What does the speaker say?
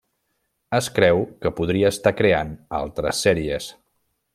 Es creu que podria estar creant altres sèries.